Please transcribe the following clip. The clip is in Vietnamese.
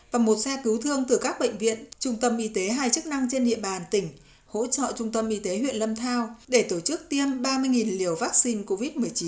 và một xe cứu thương từ các bệnh viện trung tâm y tế hai chức năng trên địa bàn tỉnh hỗ trợ trung tâm y tế huyện lâm thao để tổ chức tiêm ba mươi liều vaccine covid một mươi chín